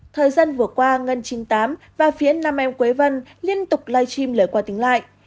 thời gian vừa qua ngân chín mươi tám và phía nam em quế vân liên tục live stream lời qua tính lại